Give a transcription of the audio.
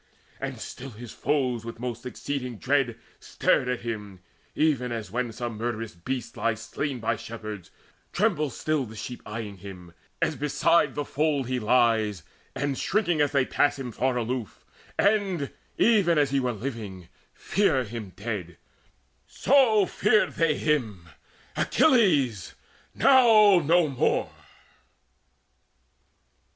And still his foes with most exceeding dread Stared at him, even as, when some murderous beast Lies slain by shepherds, tremble still the sheep Eyeing him, as beside the fold he lies, And shrinking, as they pass him, far aloof And, even as he were living, fear him dead; So feared they him, Achilles now no more.